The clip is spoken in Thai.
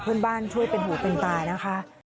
เพื่อนบ้านช่วยเป็นหูเป็นตานะคะ